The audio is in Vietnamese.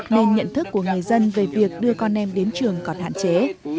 nên nhận thức của người dân về việc đưa con em đến trường còn hạn chế